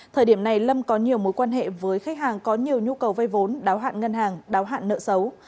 thời điểm này lâm có nhiều mối quan hệ với khách hàng có nhiều nhu cầu vay vốn đáo hạn ngân hàng đáo hạn nợ xấu